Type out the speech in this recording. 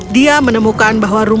dia menemukan bahwa rumahnya di luar hutan